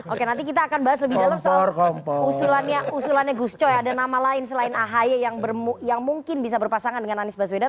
oke nanti kita akan bahas lebih dalam soal usulannya gus coy ada nama lain selain ahy yang mungkin bisa berpasangan dengan anies baswedan